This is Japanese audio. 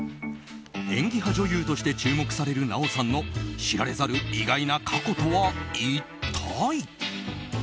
演技派女優として注目される奈緒さんの知られざる意外な過去とは一体。